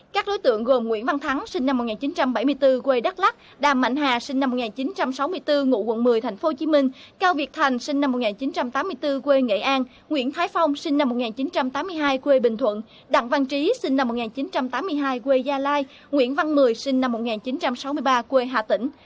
các đối tượng gồm nguyễn văn thắng sinh năm một nghìn chín trăm bảy mươi bốn quê đắk lắc đàm mạnh hà sinh năm một nghìn chín trăm sáu mươi bốn ngụ quận một mươi tp hcm cao việt thành sinh năm một nghìn chín trăm tám mươi bốn quê nghệ an nguyễn thái phong sinh năm một nghìn chín trăm tám mươi hai quê bình thuận đặng văn trí sinh năm một nghìn chín trăm tám mươi hai quê gia lai nguyễn văn mười sinh năm một nghìn chín trăm sáu mươi ba quê hà tĩnh